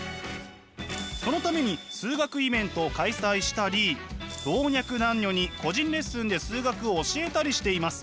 そのために数学イベントを開催したり老若男女に個人レッスンで数学を教えたりしています。